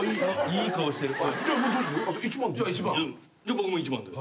僕も１番で。